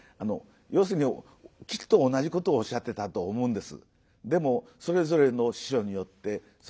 要するにきっと同じことをおっしゃってたと思うんです。